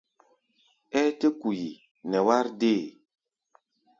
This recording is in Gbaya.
Ɛ́ɛ́ tɛ́ ku yi nɛ wár dée?